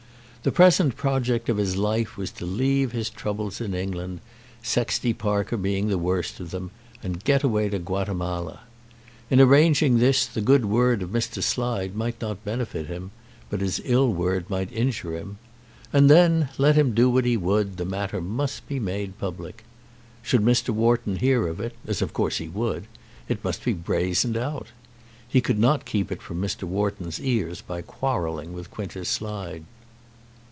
The present project of his life was to leave his troubles in England, Sexty Parker being the worst of them, and get away to Guatemala. In arranging this the good word of Mr. Slide might not benefit him, but his ill word might injure him. And then, let him do what he would, the matter must be made public. Should Mr. Wharton hear of it, as of course he would, it must be brazened out. He could not keep it from Mr. Wharton's ears by quarrelling with Quintus Slide.